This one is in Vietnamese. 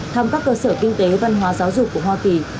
thăm các cơ sở kinh tế văn hóa giáo dục của hoa kỳ